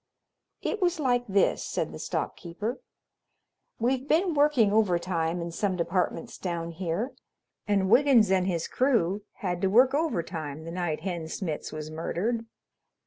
"It was like this," said the stock keeper. "We've been working overtime in some departments down here, and Wiggins and his crew had to work overtime the night Hen Smitz was murdered.